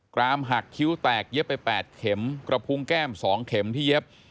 รามหักคิ้วแตกเย็บไป๘เข็มกระพุงแก้ม๒เข็มที่เย็บ